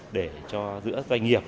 để cho doanh nghiệp